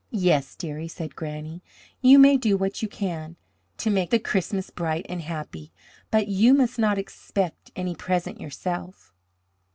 "Yes, dearie," said Granny, "you may do what you can to make the Christmas bright and happy, but you must not expect any present yourself."